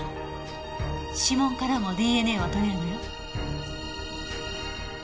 指紋からもＤＮＡは取れるのよ。